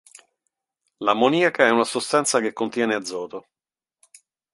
L'ammoniaca è una sostanza che contiene azoto.